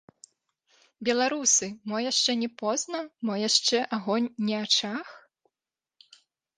Беларусы, мо шчэ не позна, мо яшчэ агонь не ачах?